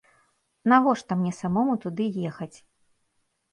Навошта мне самому туды ехаць?